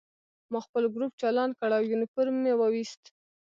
ما خپل ګروپ چالان کړ او یونیفورم مې وویست